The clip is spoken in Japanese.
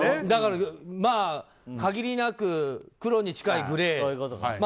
だから、まあ限りなく黒に近いグレー。